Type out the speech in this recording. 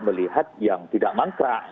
melihat yang tidak mangkrak